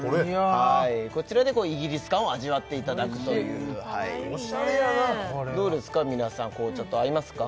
こちらでイギリス感を味わっていただくというオシャレやなどうですか皆さん紅茶と合いますか？